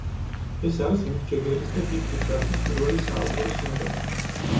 ეს არის მიკ ჯეგერის და კით რიჩარდსის პირველი საავტორო სიმღერა.